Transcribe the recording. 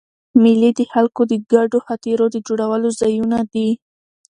مېلې د خلکو د ګډو خاطرو د جوړولو ځایونه دي.